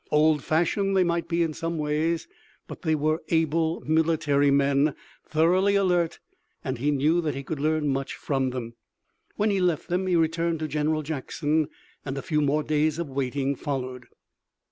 Old fashioned they might be in some ways, but they were able military men, thoroughly alert, and he knew that he could learn much from them. When he left them he returned to General Jackson and a few more days of waiting followed.